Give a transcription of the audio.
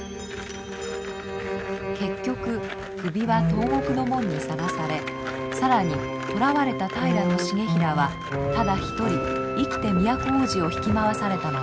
結局首は東獄の門にさらされ更に捕らわれた平重衡はただ一人生きて都大路を引き回されたのです。